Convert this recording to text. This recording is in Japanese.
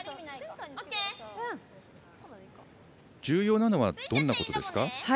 重要なのはどんなところですか？